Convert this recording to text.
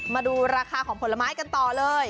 มาดูราคาของผลไม้กันต่อเลย